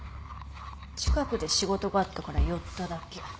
近くで仕事があったから寄っただけ。